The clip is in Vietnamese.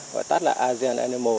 gọi tắt là asian animal